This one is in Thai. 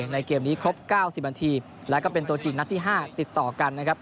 ในเกมนี้ครบ๙๐นาทีแล้วก็เป็นตัวจริงนัดที่๕ติดต่อกันนะครับ